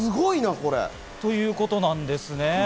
これ！ということなんですね。